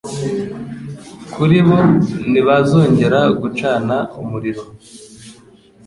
Kuri bo ntibazongera gucana umuriro,